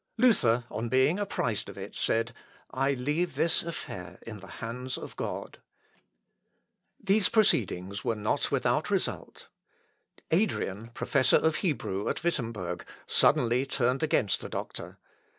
Luther on being apprised of it said, "I leave this affair in the hands of God." These proceedings were not without result: Adrian, professor of Hebrew at Wittemberg, suddenly turned against the doctor.